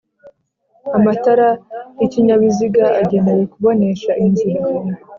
amatara y'ikinyabiziga agenewe kubonesha inzira